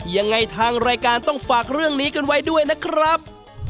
ยังไงทางรายการต้องฝากเรื่องนี้กันไว้ด้วยนะครับ